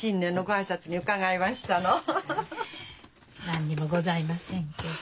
何にもございませんけど。